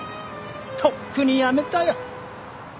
とっくにやめたよ。